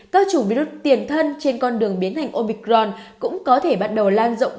các chủng virus tiền thân trên con đường biến thành omicron cũng có thể bắt đầu lan rộng